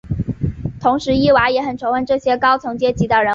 同时伊娃也很仇恨这些高层阶级的人物。